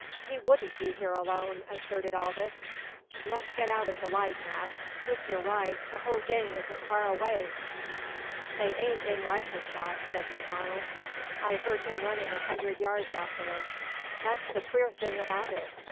"He wouldn't be here alone," asserted Aldous. "Let's get out of the light, Mac. If you're right, the whole gang isn't far away!" "They ain't in rifle shot," said MacDonald. "I heard him running a hundred yards out there. That's the queer thing about it!